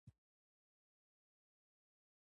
ایا ستاسو سرحدونه به خوندي شي؟